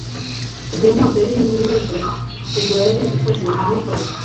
Igihe inkota yari imaze kugwa yari ikaze mu mwuka we